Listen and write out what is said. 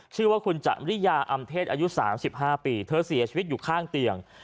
ชื่อว่าคุณจริยาอำเทศอายุ๓๕ปีเธอเสียชีวิตอยู่ข้างเตียง